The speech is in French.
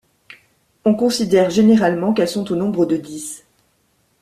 On considère généralement qu’elles sont au nombre de dix.